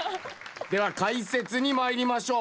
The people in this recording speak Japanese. では解説にまいりましょう。